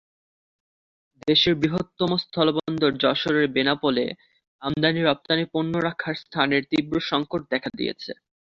দেশের বৃহত্তম স্থলবন্দর যশোরের বেনাপোলে আমদানি-রপ্তানি পণ্য রাখার স্থানের তীব্র সংকট দেখা দিয়েছে।